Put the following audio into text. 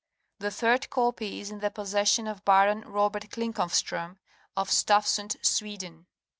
The third copy is in the possession of Baron Robert Klinckofstr6m, of Stafsund, Sweden.